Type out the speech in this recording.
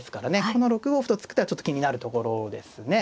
この６五歩と突く手はちょっと気になるところですね。